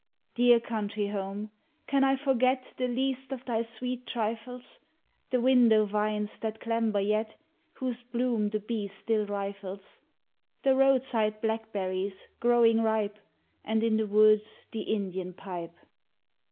Dear country home! Cim I forget The least of thy sweet trifles? The window vines that clamber yet, Whose bloom the bee still rifles? Digitized by OooqIc THE HOME. 321 The roadside blackberries, growing ripe, And in the woods the Indian Pipe?